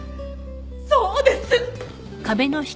そうです！